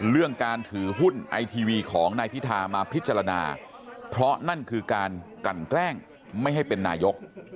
เรื่องการถือหุ้นไอทีวีของนายพิธามาพิจารณาเพราะนั่นคือการกลั่นแกล้งไม่ให้เป็นนายก